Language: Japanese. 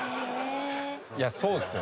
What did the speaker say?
いやそうですよね。